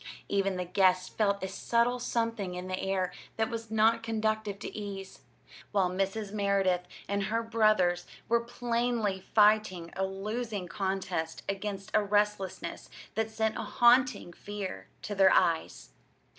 Even the guests felt a subtle something in the air that was not conducive to ease; while Mrs. Merideth and her brothers were plainly fighting a losing contest against a restlessness that sent a haunting fear to their eyes.